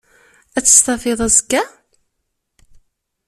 Att stafiḍ azekka?